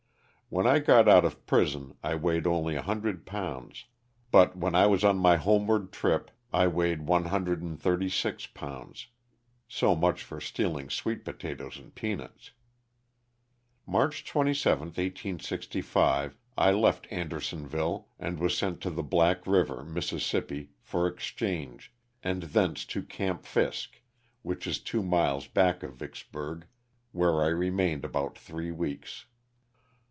When I got out of prison I weighed only a hundred pounds, but when I was on my homeward trip I weighed one hund LOSS OF THE SULTAKA. 225 red and sixty six pounds — so much for stealing sweet potatoes and peanuts. March 27, 1865, I left Andersonville and was sent to the Black River, Miss., for exchange, and thence to '^Oamp Fiske," which is two miles back of Vicksburg, where I remained about three weeks.